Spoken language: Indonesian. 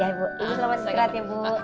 ya ibu selamat istirahat ya bu